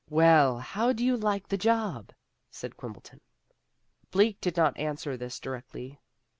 "Well, how do you like the job?" said Quimbleton. Bleak did not answer this directly.